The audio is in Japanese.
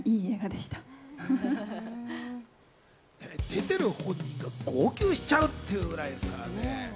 出てる本人が号泣しちゃうっていうことですからね。